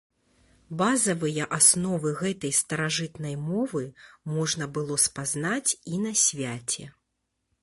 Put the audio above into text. Базавыя асновы гэтай старажытнай мовы можна было спазнаць і на свяце.